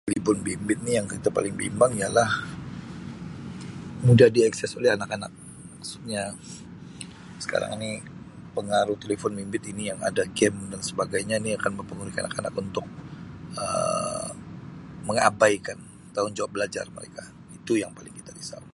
Telepon bimbit ni yang paling kita bimbang ialah mudah diakses oleh anak-anak maksudnya sekarang ini pengaruh telefon bimbit ini yang ada game dan sebagainya ni akan mempengaruhi kanak-kanak untuk Um mengabaikan tanggungjawab belajar mereka, itu yang paling kita risau.